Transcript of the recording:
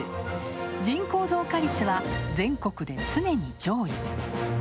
人口増加率は全国で常に上位。